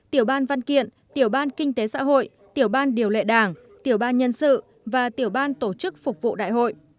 tiểu ban kinh tế xã hội tiểu ban điều lệ đảng tiểu ban nhân sự và tiểu ban tổ chức phục vụ đại hội